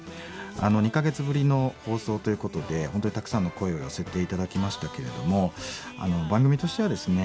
２か月ぶりの放送ということで本当にたくさんの声を寄せて頂きましたけれども番組としてはですね